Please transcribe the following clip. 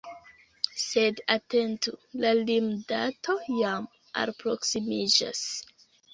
Sed atentu: la lim-dato jam alproksimiĝas!